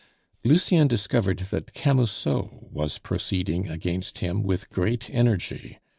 Lucien discovered that Camusot was proceeding against him with great energy.